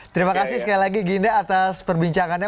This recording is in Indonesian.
terima kasih sekali lagi ginda atas perbincangannya